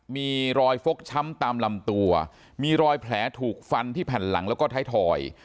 มีรอยฟกช้ำตามลำตัวมีรอยแผลถูกฟันที่แผ่นหลังแล้วก็ท้ายถอย